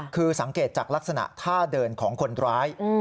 คือสังเกตจากลักษณะท่าเดินของคนร้าย